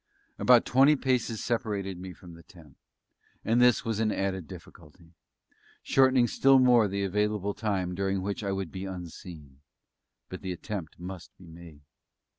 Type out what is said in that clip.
About twenty paces separated me from the tent, and this was an added difficulty shortening still more the available time during which I would be unseen; but the attempt must be made.